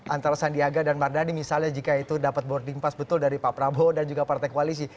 antara sandiaga dan mardhani misalnya jika itu dapat boarding pass betul dari pak prabowo dan juga partai koalisi